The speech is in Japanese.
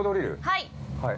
◆はい。